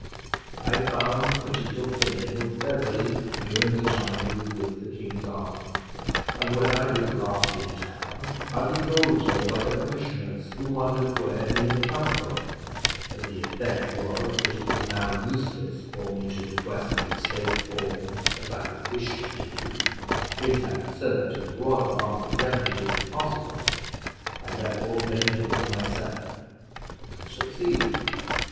I found that he took the name of Beverley during the time he was with the king's army, and when I was last in town I was told so by the commissioners, who wondered where he had come from; but the effect was that it was now useless for me to request the estate for him, as I had wished to do his having served in the royal army rendered it impossible. I therefore claimed it for myself, and succeeded.